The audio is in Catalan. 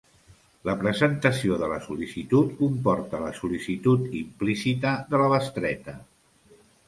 La presentació de la sol·licitud comporta la sol·licitud implícita de la bestreta.